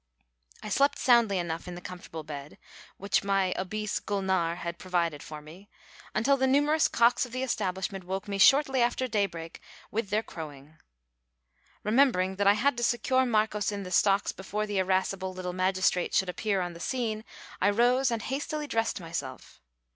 I slept soundly enough in the comfortable bed, which my obese Gulnare had provided for me, until the numerous cocks of the establishment woke me shortly after daybreak with their crowing. Remembering that I had to secure Marcos in the stocks before the irascible little magistrate should appear on the scene, I rose and hastily dressed myself.